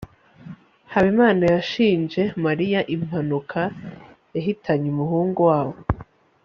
habimana yashinje mariya impanuka yahitanye umuhungu wabo